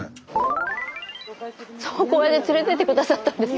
そうこうやって連れてって下さったんです。